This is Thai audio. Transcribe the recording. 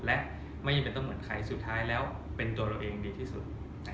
และไม่จำเป็นต้องเหมือนใครสุดท้ายแล้วเป็นตัวเราเองดีที่สุด